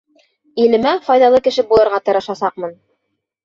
Илемә файҙалы кеше булырға тырышасаҡмын.